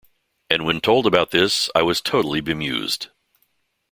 And when told about this I was totally bemused.